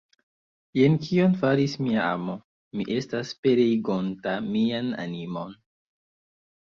Jen kion faris mia amo, mi estas pereigonta mian animon!